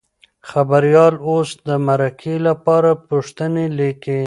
خبریال اوس د مرکې لپاره پوښتنې لیکي.